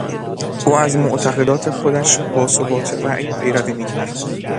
او از معتقدات خودش با ثبات رای پیروی میکرد.